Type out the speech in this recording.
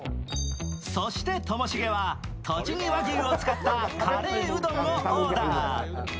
そして、ともしげはとちぎ和牛を使ったカレーうどんをオーダー。